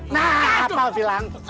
nah hafal bilang